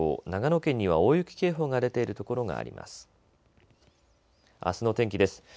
長野県には大雪警報が出ている所があります。